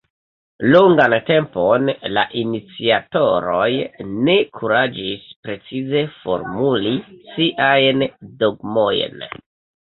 Longan tempon la iniciatoroj ne kuraĝis precize formuli siajn dogmojn.